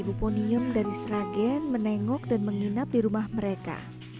ibu ponium dari sragen menengok dan menginap di rumah mereka